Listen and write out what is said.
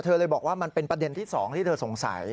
เลยบอกว่ามันเป็นประเด็นที่๒ที่เธอสงสัย